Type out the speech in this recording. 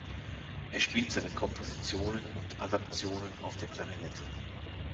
Er spielt seine Kompositionen und Adaptionen auf der Klarinette.